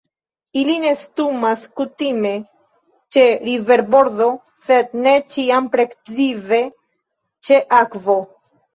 Ili nestumas kutime ĉe riverbordo, sed ne ĉiam precize ĉe akvo.